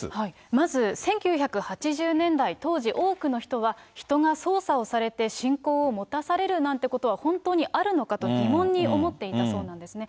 まず１９８０年代、当時、多くの人は人が操作をされて信仰を持たされるなんてことは本当にあるのかと疑問に思っていたそうなんですね。